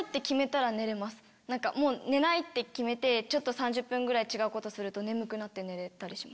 寝ないって決めて３０分ぐらい違うことすると眠くなって寝れたりします。